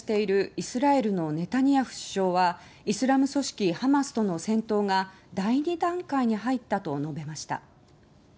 イスラエルのネタニヤフ首相はイスラム組織ハマスとの戦闘が第２段階に入ったと述べました。